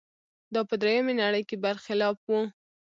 دا په درېیمې نړۍ کې برخلاف و.